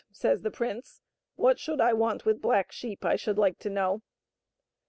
says the prince, " what should I want with black sheep I should like to know